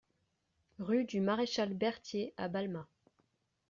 RUE DU MARECHAL BERTHIER à Balma